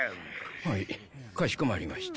はいかしこまりました。